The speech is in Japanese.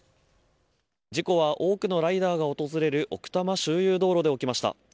事故は多くのライダーが訪れる奥多摩周遊道路で起きました。